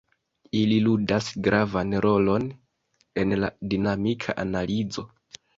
Ili ludas gravan rolon en la dinamika analizo.